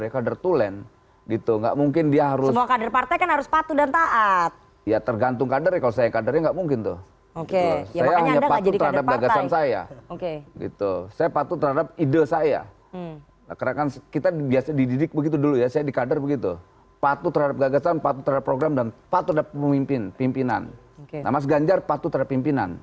kalau kemudian beliau dibohongi